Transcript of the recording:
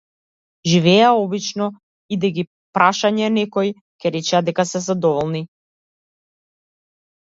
Живееја обично, и да ги прашање некој, ќе речеа дека се задоволни.